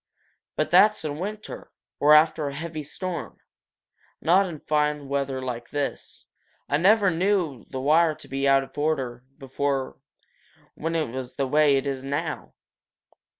"But that's in winter, or after a heavy storm not in fine weather like this. I never knew the wire to be out of order before when it was the way it is now."